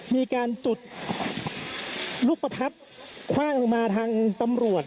มีการจุดลูกประทัดคว่างลงมาทางตำรวจ